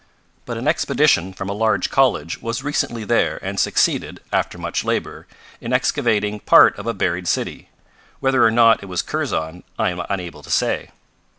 But an expedition from a large college was recently there and succeeded, after much labor, in excavating part of a buried city. Whether or not it was Kurzon I am unable to say.